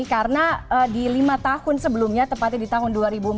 karena di lima tahun sebelumnya tepatnya di tahun dua ribu sembilan belas